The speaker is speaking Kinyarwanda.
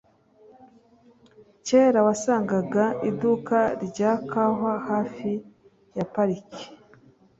Kera wasangaga iduka rya kawa hafi ya parike.